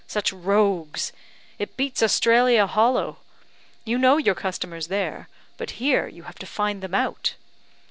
such rogues! It beats Australia hollow; you know your customers there but here you have to find them out.